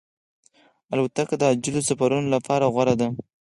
الوتکه د عاجلو سفرونو لپاره غوره ده.